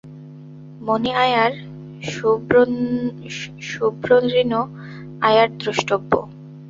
মণি আয়ার সুব্রহ্মণ্য আয়ার দ্রষ্টব্য।